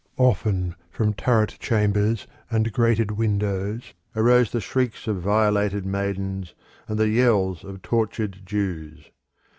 Often from turret chambers and grated windows arose the shrieks of violated maidens and the yells of tortured Jews.